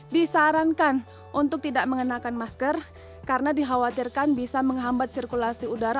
disarankan untuk tidak mengenakan masker karena dikhawatirkan bisa menghambat sirkulasi udara